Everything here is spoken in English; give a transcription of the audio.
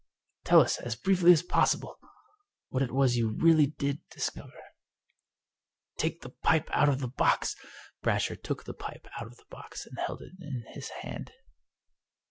" Tell us, as briefly as possible, what it was you really did discover." " Take the pipe out of the box !" Brasher took the pipe out of the box and held it in his hand.